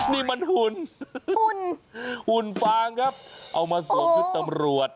นี่มันหุ่นหุ่นหุ่นฟางครับเอามาสวมชุดตำรวจ